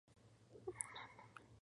Actualmente cuenta con tres clases.